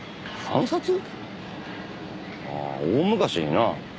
ああ大昔にな。